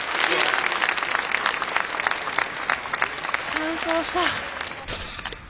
完走した。